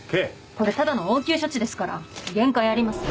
これただの応急処置ですから限界あります。